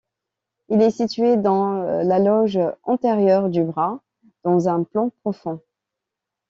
Il est situé dans la loge antérieure du bras, dans un plan profond.